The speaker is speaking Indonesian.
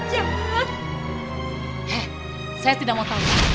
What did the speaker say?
eh saya tidak mau tahu